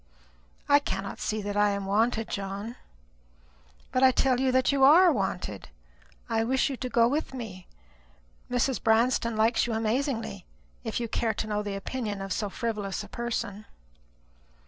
"I cannot see that I am wanted, John." "But I tell you that you are wanted. I wish you to go with me. Mrs. Branston likes you amazingly, if you care to know the opinion of so frivolous a person."